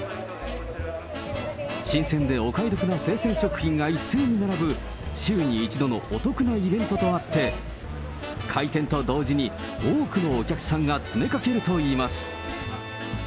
新鮮でお買い得な生鮮食品が一斉に並ぶ、週に１度のお得なイベントとあって、開店と同時に多くのお客さんが詰めかけるといいます。